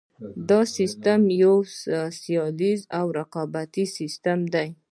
دا سیستم یو سیالیز او رقابتي سیستم دی.